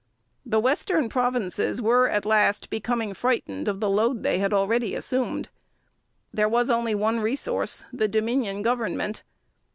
The western provinces were at last becoming frightened of the load they had already assumed. There was only one resource, the Dominion government.